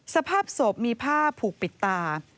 สภาพศพมีผ้าผูกปิดตา